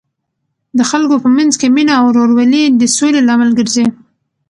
د خلکو په منځ کې مینه او ورورولي د سولې لامل ګرځي.